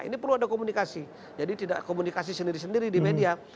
ini perlu ada komunikasi jadi tidak komunikasi sendiri sendiri di media